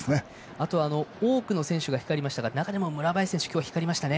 あとは多くの選手が光りましたが、中でも村林選手、光りましたね。